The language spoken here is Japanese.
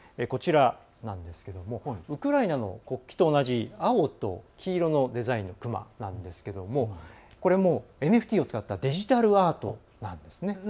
こちらなんですけどウクライナの国旗と同じ青と黄色のデザインのクマなんですけどもこれも、ＮＦＴを使ったデジタルアートなんですね。